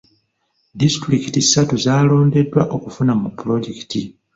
Disitulikiti ssatu zaalondeddwa okufuna mu pulojekiti.